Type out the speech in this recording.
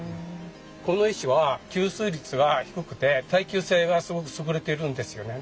この石は吸水率が低くて耐久性がすごく優れてるんですよね。